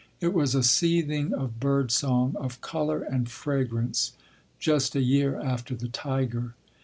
It was a seething of bird song, of colour and fragrance—just a year after the tiger.